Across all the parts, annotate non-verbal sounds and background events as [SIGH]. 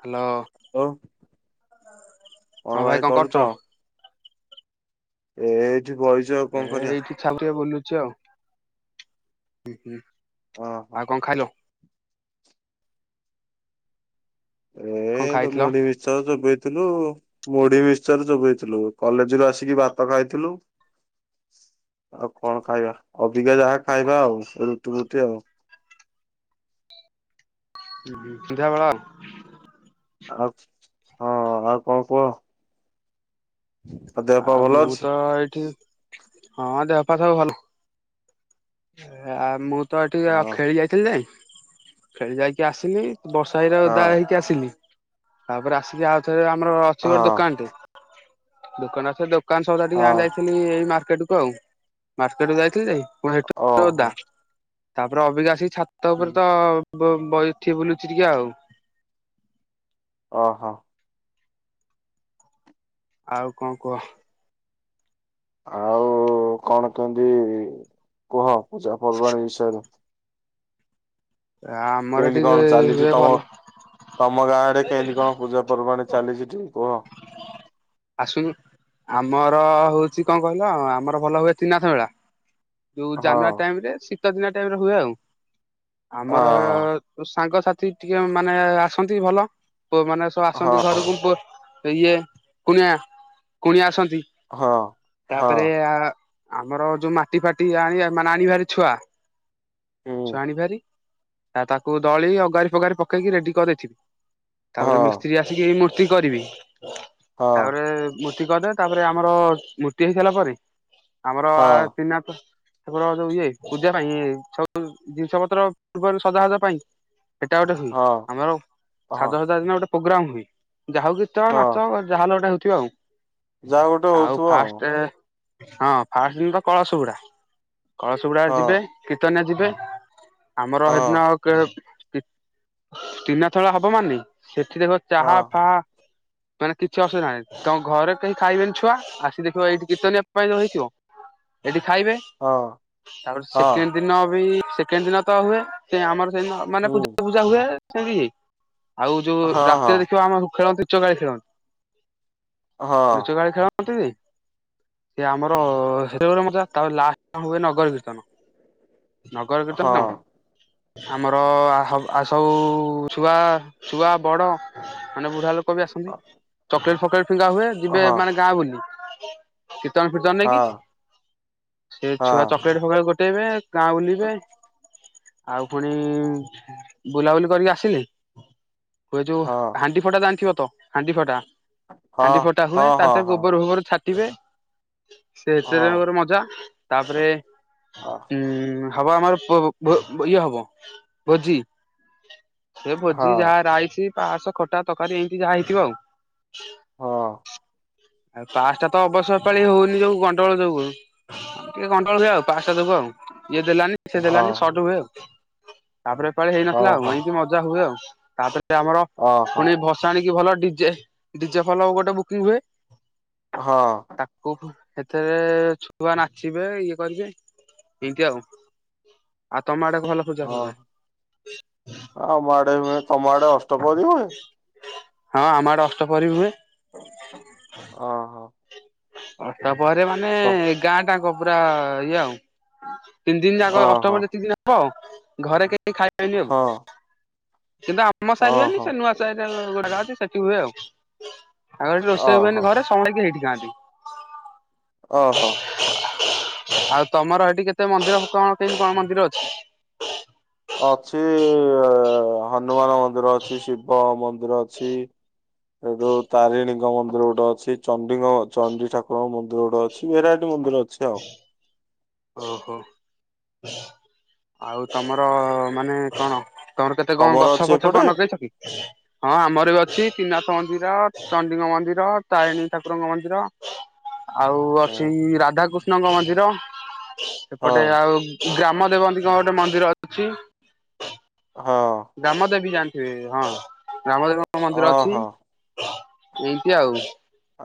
Hello. ହୋ କଣ ଭାଇ କରୁଚ। ଏ ଏଇଠି ବଇ ଏ ଏଇଠି ଛନ୍ ଟିକେ ବୁଲୁଛି ଆଉ। ଓହୋ ଆଉ କ ଖାଇଲ। କଣ ଏ ଖାଇଥିଲ? ମୁଢି ମିକ୍ସଚର୍ ଚୋବେଇଥିଲୁ ମୁଢି ମିକ୍ସଚର୍ ଚୋବେଇ ଥିଲୁ କଲେଜରୁ ଆସିକି ଭାତ ଖାଇଥିଲୁ। ଆଉ କଣ ଖାଇବା ଅବିକା ଯାହା ଖାଇବା ଆଉ ରୁଟି ଫୁଟି ଆଉ। ସନ୍ଧ୍ୟା ବେଳ ଆଉ। ଆଉ ହଁ ଆଉ କଣ କୁହ। ଦେହ ପା ଆଉ ଭଲ ମୁଁ ଅଛି? ତ ଏଇଠି ହଁ ଦେହ ପା ସବୁ ଭଲ। ଆ ମୁଁ ତ ଏଠିକି ଆ ହଁ ଖେଳି ଯାଇଥିଲି ଯେ ଖେଳି ଯାଇକି ଆସିଲି। ବର୍ଷା ହେଇରା ହଁ ଉଦାହେଇକି ଆସିଲି ତାପରେ ଆସିଲି ଆଉ ଥରେ ଆମର ଅଛି ହଁ ଗୋଟେ ଦୋକାନଟେ ଦୋକାନ ଆସି ଦୋକାନ ସଉଦା ଟିକେ ହଁ ଆଣି ଯାଇଥିଲି। ଥିଲି ଏଇ ମାର୍କେଟ କୁ ଆଉ ମାର୍କେଟ କୁ ଯାଇଥିଲି ଯେ ପୁଣି ଦ ଉଦା ଓହୋ। ତାପରେ ଅବିକା ଆସିକି ଛାତ ଉପରେ ତ ବ ବଇଚି ବୁଲୁଚି ଟିକେ ଆଉ। ଓହ। ଆଉ କଁ କୁହ। ଆଉ କଣ କେନ୍ତି କୁହ ପୂଜା ପର୍ବାଣୀ ବିଷୟରେ। ଆମର ଏଠି କେମିତି କଣ ଚାଲିଛି ହୁଏ ତମ ଭଲ ତମ ଗାଁ ଆଡ଼େ କେମିତି କଣ ପୂଜା ପର୍ବାଣି ଚାଲିଛି ଟିକେ କୁହ। ଆଶୁନ ଆମର ହଉଛି କଁ କହିଲ ଆମର ଭଲ ହୁଏ ତ୍ରୀନାଥ ମେଳା। ଯୋଉ ହଁ ଜାନୁଆରୀ ଟାଇମ ରେ ଶୀତ ଦିନିଆ ଟାଇମ ରେ ହୁଏ ଆଉ ହଁ ଆମର ସାଙ୍ଗସାଥି ଟିକେ ମାନେ ଆସନ୍ତି ଭଲ ପ ମାନେ ସବୁ ଆସନ୍ତି ହଁ ଘରକୁ ପୂ ଇଏ କୁଣିଆ କୁଣିଆ ଆସନ୍ତି ହଁ ହଁ ତାପରେ ଆ ଆମର ଯୋଉ ମାଟି ଫାଟି ଆଣିଆ ମାନେ ଆଣିବାରି ଛୁଆ ହୁଁ ଛୁଆଣିବାରି ଆ ତାକୁ ଦଳି ଅଗାରି ଫଗାରି ପକେଇକି ରେଡି କରିଦେଇଥିବୁ ତାପରେ ହଁ ମିସ୍ତ୍ରୀ ଆସିକି ଏଇ ମୂର୍ତ୍ତି କରିବି ହଁ ତାପରେ ମୂର୍ତ୍ତି କରିଦେ ତାପରେ ଆମର ମୂର୍ତ୍ତି ହେଇସାରିଲା ପରେ ଆମର ହଁ ଆ ତ୍ରୀନା ଆମର ଯଉ ଇଏ ପୂଜା ପାଇଁ ଇଏ ସବୁ ଜିନିଷ ପତ୍ର ପୂର୍ବରୁ ସଜା ସଜ ପାଇଁ ସେଇଟା ଗୋଟେ ହୁଏ ହଁ ଆମର ହଁ ସାଜ ସଜା ଦିନ ଗୋଟେ ପୋଗ୍ରାମ ହୁଏ ଯାହା ହୁ ଗୀତ ହଁ ନା ଚ ଯାହାଲ ଗଟେ ହଉଥିବ ଆଉ ଯାହା ଗୋଟେ ଆଉ ହଉଥିବ ଫାଷ୍ଟ ହଁ ଫାଷ୍ଟ ଦିନ ତ କଳସବୁଡା କଳସବୁଡା ଯିବେ କୀର୍ତ୍ତନିଆ ଯିବେ ଆମର ହଁ ହେଦିନ କି ତି ତିନାଥ ମେଳା ହବ ମାନେ ସେଥିରେ ଗ ଚାହା ହଁ ଫାହା ମାନେ କିଛି ଅସୁବିଧା ନାହିଁ ତମ ଘରେ କେହି ଖାଇବେନି ଛୁଆ ଆସି ଦେଖିବ ଏଇଠି କିର୍ତ୍ତ ନିଆ ପାଇଁ ଯୋଉ ହେଇଥିବ ଏଠି ଖାଇବେ ହଁ ହଁ ତାପରେ ହଁ ସେକେଣ୍ଡ ଦିନ ବି ସେକେଣ୍ଡ ଦିନ ତ ହୁଏ ସେ ଆମର ସେଇଦିନ ମାନେ ହୁଁ ପୂଜା ପୂଜା ହୁଏ ସେମିତି ଇଏ ଆଉ ଯୋଉ ହଁ ହଁ ରାତିରେ ଦେଖିବ ଆମ ଖେଳନ୍ତି ଲୁଚକାଳି ଖେଳନ୍ତି। ହଁ ଲୁଚକାଳି ଖେଳନ୍ତିି? ସେ ଆମର [INAUDIBLE] ଲାଷ୍ଟରେ ହୁଏ ନଗର କୀର୍ତ୍ତନ। ନଗର ହଁ କିର୍ତ୍ତନ। ଆମର ଆ ସ ସବ ସବୁ ଛୁଆ ଛୁଆ ବଡ ମାନେ ବୁଢା ଲୋକ ବି ଆସନ୍ତି। [INAUDIBLE] ଚକଲେଟ୍ ଫକଲେଟ୍ ଫିଙ୍ଗା ହୁଏ ଯିବେ ହଁ ମାନେ ଗାଁ ବୁଲି। କୀର୍ତ୍ତନ ଫିର୍ତ୍ତନ ହଁ ହଁ ନେଇକି ସେ ଛୁଆ ଚକଲେଟ୍ ଫକଲେଟ୍ ଗୋଟେଇବେ। ଗାଁ ବୁଲିବେ। ଆଉ ପୁଣି ବୁଲାବୁଲି କରିକି ଆସିଲି ହୁଏ ଯୋଉ ହଁ ହାଣ୍ଡି ଫଟା ଜାଣିଥିବ ତ ହାଣ୍ଡି ଫଟା ହାଣ୍ଡି ହଁ ଫଟା ହୁଏ ତା ହଁ ହଁ ଭିତରେ ହଁ ଗୋବର ଫୋବର ଛା କଟିବେ ସେଥିରେ ତାଙ୍କର ମଜା ତାପରେ ଉ ହବ ଆମର ପ ଭ ଇଏ ହବ ଭୋଜି। ସେ ହଁ ହଁ ଭୋଜି ହଁ ଯାହା ରାଇସି ପାସ୍ ଖଟା ତକାରୀ ଏମିତି ଯାହା ହେଇଥିବ ଆଉ। ଆଉ ପାସ୍ ଟା ତ ଅବସ୍ୟ ପାଳି ହଉନି ଯୋଉ ଗଣ୍ଡଗୋଳ ଯୋଗୁଳୁ। ଟିକେ କଣ୍ଟ୍ରୋଲ ହୁଏ ଆଉ ପାସ୍ ଟା ଯୋକୁ ଆଉ ଇଏ ଦେଲାନି ସେ ହଁ ଦେଲାନି ସଟ ହୁଏ ଆଉ। ତାପରେ ପାଳି ହେଇନଥିଲା ହଁ ଆଉ ଏଇଁତି ମଜା ହୁଏ ଆଉ ତାପରେ ଆମର ପୁଣି ଭ ସାଣିକି ଭଲ ଡିଜେ ଡିଜେ ଭଲ ଗୋଟେ ବୁକିଙ୍ଗ ହୁଏ। ହଁ। ତାକୁ ଏଥିରେ ଛୁଆ ନାଚିବେ ଇଏ କରିବେ ଏଇଁତି ଆଉ। ଆଉ ତମ ଆଡେ ଭଲ ପୂଜା ହଁ ହୁଏ? ଆମ ଆଡେ ହୁଏ ତମ ଆଡେ ଅଷ୍ଟପହରି ହୁଏ? ହଁ ଆମ ଆଡେ ଅଷ୍ଟପହରି ହୁଏ। ଓହୋ। ଅଷ୍ଟପହରି ମାନେ ସ ଏ ଗାଁଟାଙ୍କ ପୁରା ଇଏ ଆଉ। ତିନି ଦିନ ଯାକ ଓହୋ ଅଷ୍ଟପହରି ଯେତିକି ଦିନ ହବ ଘରେ କେହି ଖାଇବେନି ଆଉ। ହଁ କିନ୍ତୁ ଆମ ସାହିରେ ହୁଏନି ଓହୋ ସେ ନୂଆସାହିରେ ଗୋଟେ ଜାଗା ଅଛି ସେଠି ହୁଏ ଆଉ। ଆଉ ଏଠି ରୋଷେଇ ଓହୋ ହୁଏନି ଘରେ ସମସ୍ତେ ଯାଇକି ଏଇଠି ଖାଆନ୍ତି। ଓହୋ। ଆଉ ତମର ହେଠି କେତେ ମନ୍ଦିର କଣ କେମିତି କଣ ମନ୍ଦିର ଅଛି? ଅଛି ହନୁମାନ ମନ୍ଦିର ଅଛି ଶିବ ମନ୍ଦିର ଅଛି। ଏଠୁ ତାରିଣୀଙ୍କ ମନ୍ଦିର ଗୋଟେ ଅଛି। ଚଣ୍ଡିଙ୍କ ଚଣ୍ଡି ଠାକୁରଙ୍କ ମନ୍ଦିର ଗୋଟେ ଅଛି ଭେରାଇଟି ମନ୍ଦିର ଅଛି ଆଉ। ଓହୋ। ଆଉ ତମର ମାନେ କଣ ତମର କେତେ କଣ ତମର ଗଛ ଅଛି ଫଛ ଏପଟେ କଣ ନଗେଇଛ କି? ହଁ ଆମର ବି ଅଛି ତ୍ରିନାଥ ମନ୍ଦିର ଚଣ୍ଡିଙ୍କ ମନ୍ଦିର ତାରିଣୀ ଠାକୁରଙ୍କ ମନ୍ଦିର। ଆଉ ଅଛି ହୁଁ ରାଧାକୃଷ୍ଣଙ୍କ ମନ୍ଦିର ହଁ ସେପଟେ ଆଉ ଗ୍ରାମ ଦେବନ୍ତୀଙ୍କ ଗୋଟେ ମନ୍ଦିର ଅଛି। ହଁ। ଗ୍ରାମଦେବୀ ଜାଣିଥିବେ ହଁ ଗ୍ରାମଦେବୀଙ୍କ ମନ୍ଦିର ଅଛି। ହଁ ଇଁତି ଆଉ।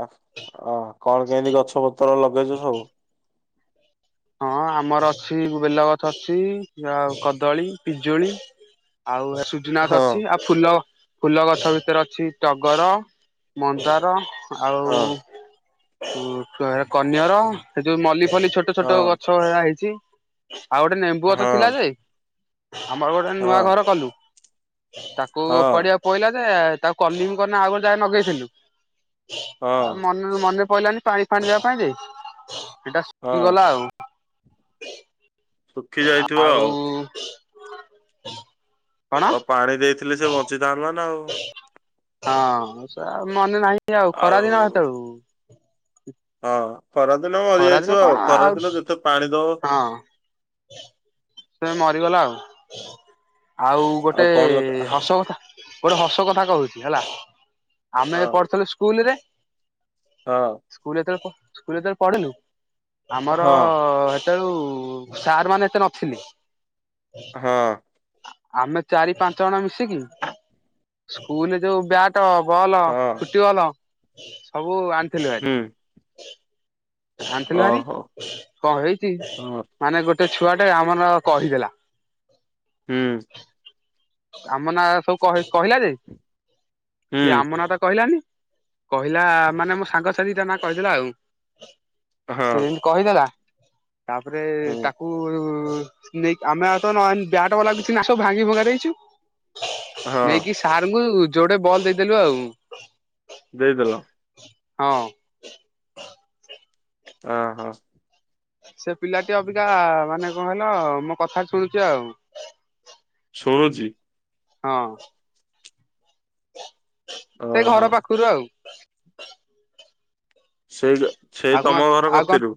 ଅ କଣ କେମିତି ଗଛ ପତ୍ର ଲଗେଇଛ ସବୁ? ହଁ ଆମର ଅଛି ବେଲଗଛ ଅଛି ଆଉ କଦଳୀ ପିଜୁଳି। ଆଉ ସୁଜିନା ଗଛ ହଁ ଅଛି ଆଉ ଫୁଲ ଫୁଲ ଗଛ ଭିତରେ ଅଛି ଟଗର। ମନ୍ଦାର ଆଉ ହଁ କନିଅର ସେ ଯୋଉ ମଲି ଫଲି ଛୋଟ ଟ ହଁ ଗଛ ଗୁଡ଼ା ହେଇଛି ଆଉ ଗୋଟେ ନେମ୍ବୁ ହଁ ଗଛ ଥିଲା ଯେ ଆମର ଗୋଟେ ହଁ ନୂଆ ଘର କଲୁ ତାକୁ ହଁ ଓପଡ଼ିଆ ପ ଇଲା ଯେ ତାକୁ କଲୁନୁ କଣ ନା ଆଉ ଗଟେ ଯାଗା ରେ ନଗେଇଥିଲୁ ଆଉ ହଁ ମନ ମନେ ପଇଲାନି ପାଣି ଫାଣି ଦେବା ପାଇଁ ଯେ ସେଇଟା ହଁ ଶୁଖିଗଲା ଆଉ। ଶୁଖି ଯାଇଥିବ ଆଉ ଆଉ। କଣ ଆଉ ପାଣି ଦେଇଥିଲେ ସେ ବଞ୍ଚିଥାନ୍ତା ନା ଆଉ। ହଁ ସେ ମନେ ନାହିଁ ଆଉ ଖରା ଦିନ ସେତେବେଳକୁ। ହଁ ଖରାଦିନ ଖରାଦିନ ମରିଯାଇଥିବ କଣ ଆଉ ଖରାଦିନ ଯେତେ ପାଣି ଦବ। ହଁ। ସେ ମରିଗଲା ଆଉ ଆଉ ଗୋଟେ କଣ ଦରକାର ହସ କଥା। ଗୋଟେ ହସ କଥା କହୁଛି ହେଲା ଆମେ ହଁ ଯେ ପଢୁଥିଲୁ ସ୍କୁଲ ରେ। ହଁ। ସ୍କୁଲ ଯେତେବେଳେ ପ ସ୍କୁଲ ଯେତେବେଳେ ପଢିଲୁ ଆମର। ହଁ ତେଉ ସାର୍ ମାନେ ଏତେ ନଥିଲେ। ହଁ। ଆମେ ଚାରି ପାଞ୍ଚ ଜଣ ମିଶିକି ସ୍କୁଲରେ ଯୋଉ ବ୍ୟାଟ୍ ଟ ବଲ୍ ହଁ ଫୁଟୁବଲ ସବୁ ଆଣିଥିଲୁ ଭାରି। ହୁଁ ଆଣିଥିଲୁ ଭାରି ଓହୋ। କଣ ହେଇଛି ହଁ ମାନେ ଗୋଟେ ଛୁଆ ଟେ ଆମ ନ କହିଦେଲା। ହୁଁ। ଆମ ନାଁ ସବୁ କହେ କହିଲା ଯେ ହୁଁ ସିଏ ଆମ ନାଁ ତ କହିଲାନି। କହିଲା ମାନେ ମୋ ସାଙ୍ଗଛୁଆ ଦିଟା ନା କହିଦେଲା ଆଉ ସେ ହଁ କହିଦେଲା ତାପରେ ହୁଁ ତାକୁ। ନେଇ କି ଆମେ ଆଇ ତ ନ ବ୍ୟାଟ୍ ବଲ ଆଉ କିଛିଁ ନାଇ ସବୁ ଭାଙ୍ଗି ଭୁଙ୍ଗା ଦେଇଛୁ। ହଁ ନେଇକି ସାରଙ୍କୁ ଯୋଡେ ବଲ ଦେଇଦେଲୁ ଆଉ। ଦେଇଦେଲ। ହଁ। ଅ ହ। ସେ ପିଲାଟି ଅବିକା ମାନେ କଁ କହିଲ ମୋ କଥା ଶୁଣୁଛି ଆଉ। ସୁଣୁଛି। ହଁ। ସେଇ ଓହୋ ଘର ପାଖରୁ ଆଉ। ସେ ଟୋ ସେଇ ଆଉ କଣ ତମ ଘର ଆଉ କଣ କତିରୁ।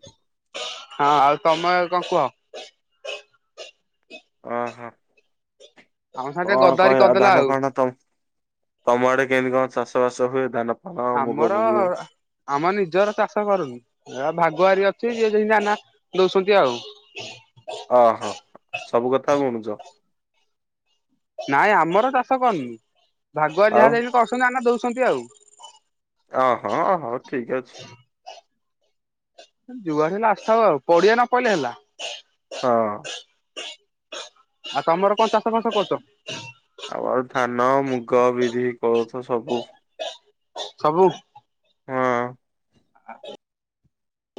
ହଁ ଆଉ ତମ କଁ କୁହ। ଅ ହ। ଆମ ସାଙ୍ଗେ କଣ ଗଦାରି କହିବା କରିଦେଲା ଧାନ ଆଉ ଫାନ ତମ ତମ୍ ଆଡେ କେମିତି କଁ ଚାଷ ବାସ ହୁଏ ଧାନ। ଫାନ ମୁଗ ଆମର। ଫୁଗି ଆମ ନିଜର ଚାଷ କରୁନୁ ଏଆ ଭାଗୁଆାରୀ ଅଛି ଯିଏ ଯେମତି ଧାନ ଦଉଛନ୍ତି ଆଉ। ଅ ହ ସବୁ କଥା ବୁଣୁଛ। ନାଇଁ ଆମର ଚାଷ କରିନୁ ଭାଗୁଆରୀ ଆଉ ଯାହା ଯେତି କରୁଛନ୍ତି ଧାନ ଦଉଛନ୍ତି ଆଉ। ଅ ହ ହଉ ଠିକ ଅଛି। ଯୁଆଡୁ ହେଲେ ଆସୁ ଥାଉ ଆଉ ପଡିଆ ନ ପଇଲେ ହେଲା। ହଁ। ଆଉ ତମର କଣ ଚାଷ ଫାସ କରୁଛ। ଆମର ଧାନ ମୁଗ ବିରି କୋଳଥ ସବୁ। ସବୁ। ହଁ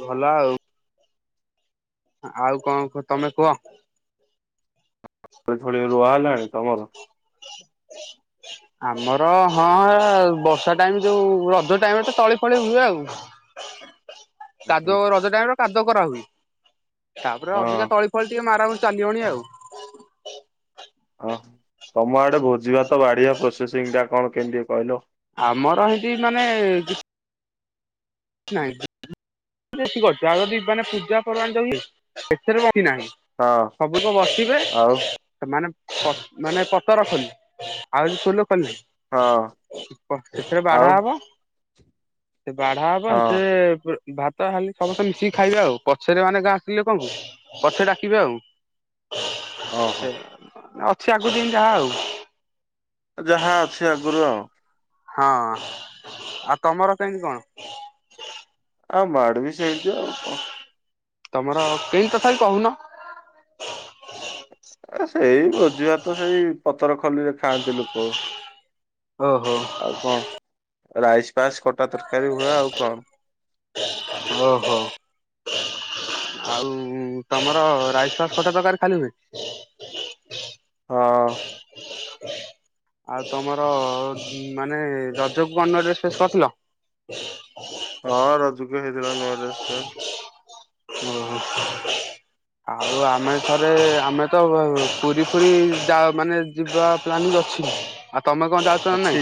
ଭଲ ଆଉ। ଆଉ କଁ କୁ ତମେ କୁହ। ତଳି ଫଳି ରୁଆ ହେଲାଣି ତମର। ଆମର ହଁ ଏ ବର୍ଷା ଟାଇମ ଯୋଉ ରଜ ଟାଇମରେ ତ ତଳି ଫଳି ହୁଏ ଆଉ। ହ [UNINTELLIGIBLE] କାଦ ରଜ ଟାଇମରେ କାଦ କରା ହଏ ତାପରେ ହଁ ଅବିକା ତଳି ଫଳି ଟିକେ ମାରା ହ ଚାଲିବଣି ଆଉ ଅ ତମ ଆଡେ ଭୋଜିବା ତ ବାଢିଆ ପ୍ରୋସେସିଂ ଟା କଣ କେମିତି କହିଲୁ ଆମର ହେଇଠି ମାନେ ନାଇଁ ବେଶୀ କରିଛ ଆଉ ଯଦି ମାନେ ପୂଜା ପର୍ବାଣ ଯଛି ଏଥିରେ ନାହିଁ। ହଁ ସବୁ କଣ ବସିବେ? ଆଉ ମାନେ ମାନେ ପତର ଖଲି ଆଉ ଫୋଲ ଖଲନି ହଁ ଏଥିରେ ବାଢା ଆଉ ହବ ସେ ବାଢା ହବ ପା ହଁ ସେ ଭାତ ଖାଲି ସମସ୍ତେ ମିଶିକି ଖାଇବେ ଆଉ ପଛରେ ମାନେ ଗାଁ ଆସିଥିଲେ କଣଙ୍କୁ ପଛେ ଡାକିବେ ଆଉ [UNINTELLIGIBLE] ସେ ଅଛି ଆଗକୁ ଦିନ ଯାହା ଆଉ ଯାହା ଅଛି ଆଗରୁ ଆଉ। ହଁ ଆଉ ତମର କେମିତି କଣ? ହଁ ଆମ ଆଡ଼େ ବି ସେମିତି ଆଉ କଣ? ତମର କେଇ କଥା ବିି କହୁନ? ଏ ସେଇ ଭୋଜି ଭାତ ସେଇ ପତର ଖଲିରେ ଖାଆନ୍ତି ଲୋକ। ଓହୋ। ଆଉ କଣ ରାଇସ୍ ପାସ୍ ଖଟା ତର [INAUDIBLE] ଓହୋ। ଆଉ ତମର ରାଇସ୍ ପାସ ଖଟା ପ୍ରକାର ଖାଲି ହୁଏ? ହଁ। ଆଉ ତମର ମାନେ ରଜକୁ ଅନ୍ୟ ଡ୍ରେସ ଫେସ୍ କରିଥିଲ ହଁ ରଜୁକୁ ହେଇଥିଲା ନୂଆ ଡ୍ରେସ୍ ଟେ। ହୁ। ଆଉ ଆମେ ଥରେ ଆମେ ତ ପୁରୀ ଫୁରି ଯ ମାନେ ଯିବା ପ୍ଲାନିଂ ଅଛି ଆଉ ତମେ କଣ ଯାଉ ଅଛି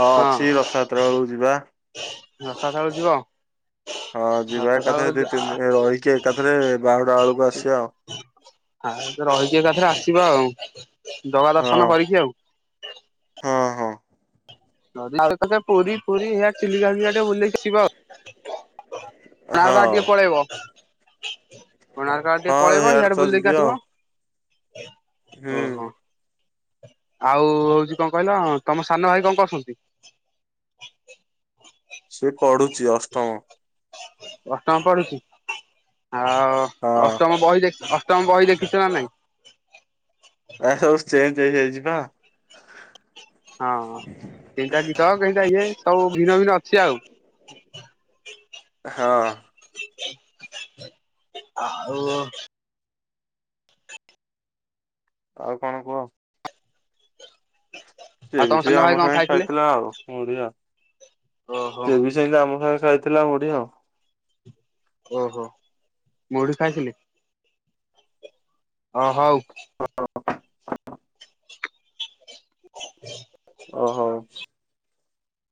ହଁ ଅଛି ରଥଯାତ୍ରା ବେଳକୁ ଯିବା। ରଥ ଯାତ୍ରା କୁ ଯିବ? ହଁ ରଥ ଯିବା ଏକାଥରେ ଥାଳକୁ ଦି ତିନି ଦିନ ରହିକି ଏକାଥରେ ବାହୁଡ଼ା ବେଳକୁ ଆସିବା ଆଉ। ଆ ରହିକି ଏକାଥରେ ଆସିବା ଆଉ ଜଗା ଆଉ। ଦର୍ଶନ କରିକି ଆଉ। ହଁ ହଁ। ପୁରୀ ପୁରୀଇଆ ଚିଲିକାକା ଟେ ବୁଲି ଦେଇକି ଆସିବା ଆଉ। କୋ ହଁ କାର୍ଡ ଟିକେ ହଁ ପଳେଇବ କୋଣାକ ଆଡ଼େ ଟିକେ ହଁ ପଳେଇବ ଇଆଡେ ସଇଆଡେ ତ ବୁଲି ଦେଇକି ଯିବି ଆଉ ଆସିବ। ହୁଁ। ଓହୋ। ଆଉ କଣ କହିଲ ତମ ସାନ ଭାଇ କଣ କରଛନ୍ତି? ସେ ପଢୁଛି ଅଷ୍ଟମ। ଅଷ୍ଟମ ପଢୁଛି ଆଉ ହଁ ଅଷ୍ଟମ ବହି ଦେଖି ଅଷ୍ଟମ ବହି ଦେଖିଛ ନା ନାହିଁ? ଏ ସବୁ ଚେଞ୍ଜ ହେଇଯାଇଛି ନାଁ ହଁ କେଇଟା ଗୀତ କେଇଟା ଇଏ ସବୁ ଭିନ୍ନ, ଭିନ୍ନ ଅଛି ଆଉ। ହଁ। ଆଉ ଆଉ କଣ କୁହ? ଆଉ ସେବି ତମ ସେ ସାନ ଭାଇ ଆମ କଣ ସାଙ୍ଗେ ଖାଇଥିଲେ? ଖାଇଥିଲା ଆଉ ମଡିଆ ଓହୋ ସେ ବି ସେବି ଆମ ସାଙ୍ଗେ ଖାଇଥିଲା ମୁଢି ଆଉ। ଓହୋ ମୁଢି ଖାଇଥିଲି। ହଁ ହଉ। ହଁ [INAUDIBLE] [INAUDIBLE] ଓହୋ।